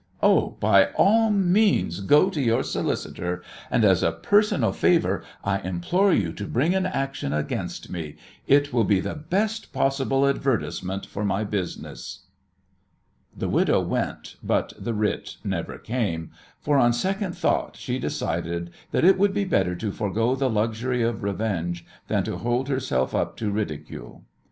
Oh, by all means go to your solicitor, and as a personal favour I implore you to bring an action against me. It would be the best possible advertisement for my business." The widow went, but the writ never came, for on second thoughts she decided that it would be better to forego the luxury of revenge than to hold herself up to ridicule.